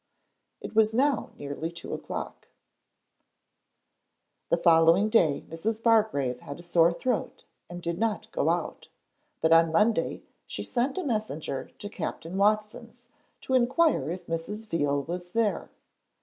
It was now nearly two o'clock. The following day Mrs. Bargrave had a sore throat, and did not go out, but on Monday she sent a messenger to Captain Watson's to inquire if Mrs. Veal was there.